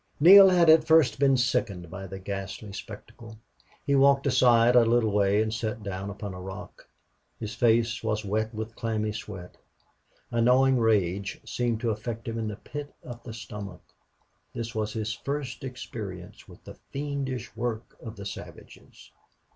Neale had at first been sickened by the ghastly spectacle. He walked aside a little way and sat down upon a rock. His face was wet with clammy sweat. A gnawing rage seemed to affect him in the pit of the stomach. This was his first experience with the fiendish work of the savages.